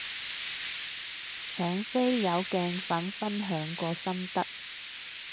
搶飛有鏡粉分享過心得